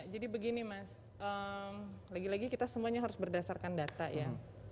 jadi begini mas lagi lagi kita semuanya harus berdasarkan data ya